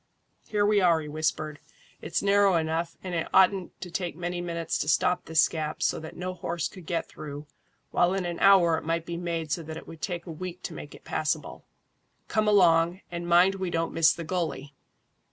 "Here we are," he whispered. "It's narrow enough, and it oughtn't to take many minutes to stop this gap so that no horse could get through, while in an hour it might be made so that it would take a week to make it passable. Come along, and mind we don't miss the gully."